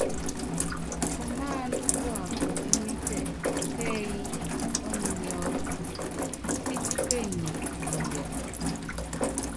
Umáándá kuakundímítɛ kɛ́ɛ́yí ɔ́ninyɔ́lɔ upítípenyi nuya.